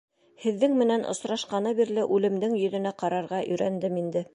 Һеҙҙең менән осрашҡаны бирле үлемдең йөҙөнә ҡарарға өйрәндем инде.